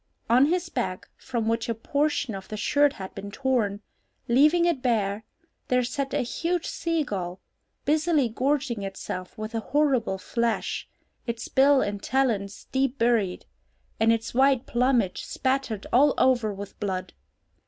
On his back, from which a portion of the shirt had been torn, leaving it bare, there sat a huge sea gull, busily gorging itself with the horrible flesh, its bill and talons deep buried, and its white plumage spattered all over with blood.